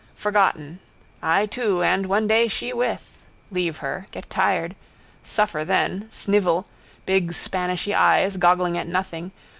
Forgotten. I too. And one day she with. Leave her: get tired. Suffer then. Snivel. Big spanishy eyes goggling at nothing.